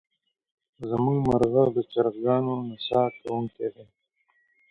زمونږ مرغه د چرګانو نڅا کوونکې دی.